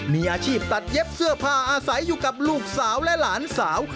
มีอาชีพตัดเย็บเสื้อผ้าอาศัยอยู่กับลูกสาวและหลานสาว